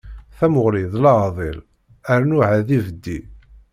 Tamuɣli d leɛḍil, rnu ɛad ibeddi.